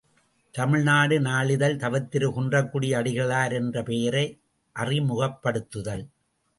● தமிழ்நாடு நாளிதழ் தவத்திரு குன்றக்குடி அடிகளார் என்ற பெயரை அறிமுகப்படுத்துதல்.